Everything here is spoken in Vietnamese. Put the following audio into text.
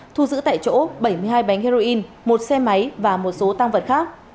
thu giữ tại chỗ bảy mươi hai bánh heroin một xe máy và một số tăng vật khác